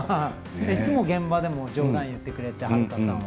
いつも現場でも冗談言ってくれて、悠さんは。